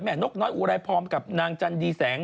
แม่นกน้อยอู่ไรปรอมกับนางจันดีแสง